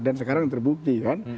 dan sekarang terbukti kan